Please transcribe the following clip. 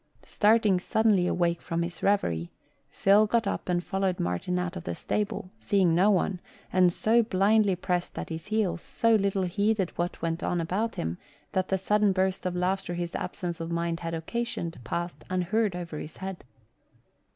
Starting suddenly awake from his revery, Phil got up and followed Martin out of the stable, seeing no one, and so blindly pressed at his heels, so little heeded what went on about him, that the sudden burst of laughter his absence of mind had occasioned passed unheard over his head.